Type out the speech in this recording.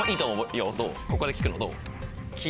ここで聞くのどう？